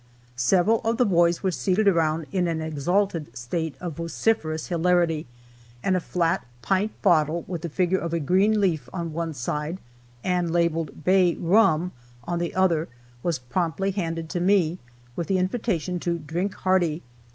Several of the boys were seated around, in an exalted state of vociferous hilarity, and a flat, pint bottle, with the figure of a green leaf on one side, and labeled "Bay Rum" on the other, was promptly handed to me, with the invitation to "drink hearty."